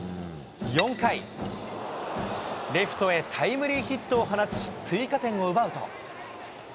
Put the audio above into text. ４回、レフトへタイムリーヒットを放ち、追加点を奪うと。